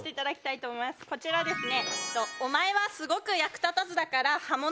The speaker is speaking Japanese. こちらですね。